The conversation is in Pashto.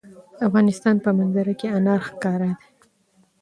د افغانستان په منظره کې انار ښکاره ده.